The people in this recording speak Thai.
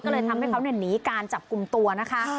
ก็เลยทำให้เขาหนีการจับกลุ่มตัวนะคะ